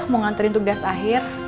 mau nganterin tugas akhir